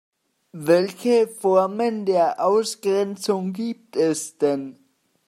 Welche Formen der Ausgrenzung gibt es denn?